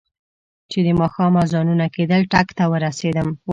چې د ماښام اذانونه کېدل ټک ته ورسېدم.